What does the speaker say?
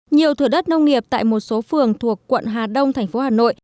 nhiều thủ đất nông nghiệp tại một số phường thuộc quận hà đông tp hà nội